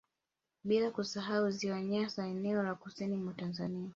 Bila kusahau ziwa Nyasa eneo la kusini mwa Tanzania